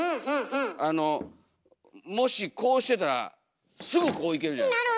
あのもしこうしてたらすぐこういけるじゃないですか。